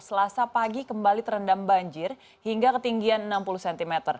selasa pagi kembali terendam banjir hingga ketinggian enam puluh cm